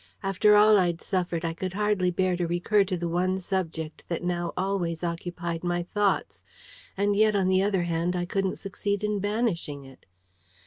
After all I'd suffered, I could hardly bear to recur to the one subject that now always occupied my thoughts. And yet, on the other hand, I couldn't succeed in banishing it.